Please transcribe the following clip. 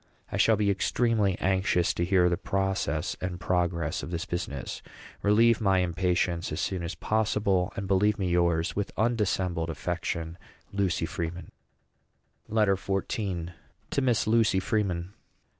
I shall be extremely anxious to hear the process and progress of this business. Relieve my impatience as soon as possible; and believe me yours with undissembled affection. LUCY FREEMAN. LETTER XIV. TO MISS LUCY FREEMAN.